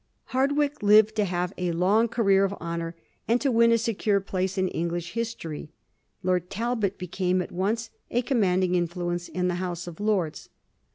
Hardwicke lived to have a long career of honor, and to win a secure place in English history. Lord Talbot became at once a commanding influence in the House of Lords.